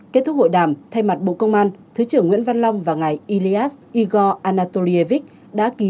kết thúc hội đàm thay mặt bộ công an thứ trưởng nguyễn văn long và ngài ilias igor anatolievich đã ký